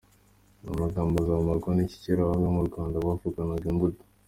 Aya magambo azamarwa n’iki ? Kera abami mu Rwanda bavukanaga imbuto.